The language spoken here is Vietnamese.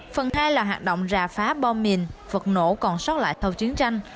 phần hai là hạt động rà phá bò mìn vật nổ còn sót lại sau chiến tranh